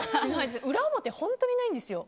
裏表、本当にないんですよ